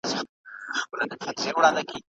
اقتصاد د تقاضا او عرضه تعامل څیړي.